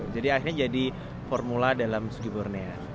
jadi akhirnya jadi formula dalam segi murnian